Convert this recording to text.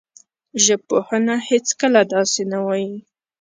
ژبپوهنه هېڅکله داسې نه وايي